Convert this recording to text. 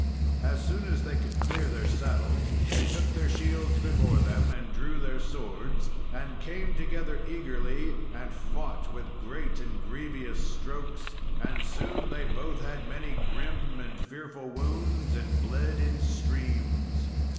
As soon as they could clear their saddles, they took their shields before them, and drew their swords, and came together eagerly, and fought with great and grievous strokes; and soon they both had many grim and fearful wounds, and bled in streams.